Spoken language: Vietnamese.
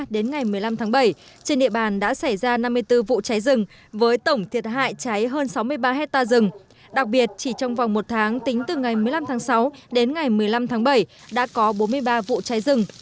đầu tháng sáu năm hai nghìn một mươi chín một vụ cháy rừng đã thiêu dụi hơn hai mươi bốn hectare rừng đặc biệt chỉ trong vòng một tháng tính từ ngày một mươi năm tháng sáu đến ngày một mươi năm tháng bảy đã có bốn mươi ba vụ cháy rừng